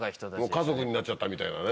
家族になっちゃったみたいなね。